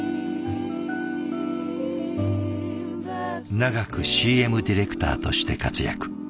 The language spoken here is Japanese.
長くＣＭディレクターとして活躍。